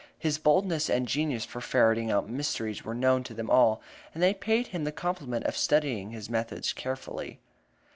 His boldness and genius for ferreting out mysteries were known to them all, and they had paid him the compliment of studying his methods carefully.